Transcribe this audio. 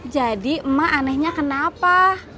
jadi emak anehnya kenapa